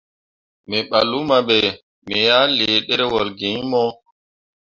Me ɓah luma be, me ah lii ɗerewol gi iŋ mo.